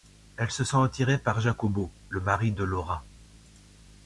Elle se sent attirée par Jacobo, le mari de Laura.